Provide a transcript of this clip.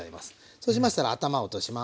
そうしましたら頭を落とします。